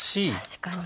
確かに。